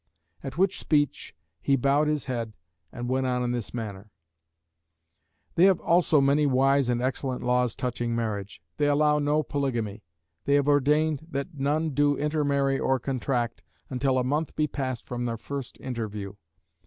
At which speech he bowed his head, and went on in this manner: "They have also many wise and excellent laws touching marriage. They allow no polygamy. They have ordained that none do intermarry or contract, until a month be past from their first interview.